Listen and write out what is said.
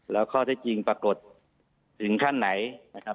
แล้วข้อที่จริงปรากฏถึงขั้นไหนนะครับ